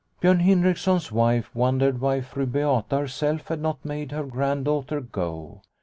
Biorn Hindriksson's wife wondered why Fru Beata herself had not made her granddaughter go.